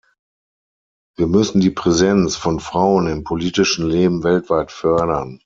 Wir müssen die Präsenz von Frauen im politischen Leben weltweit fördern.